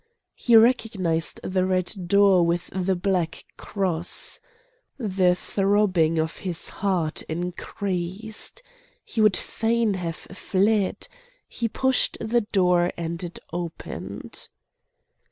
He recognised the red door with the black cross. The throbbing of his heart increased. He would fain have fled. He pushed the door and it opened.